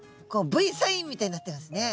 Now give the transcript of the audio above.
Ｖサインみたいになってますね。